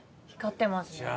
光ってますね。